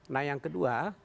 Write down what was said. nah yang kedua